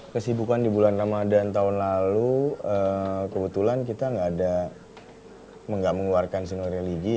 kesibukan di bulan ramadhan tahun lalu kebetulan kita gak mengeluarkan single religi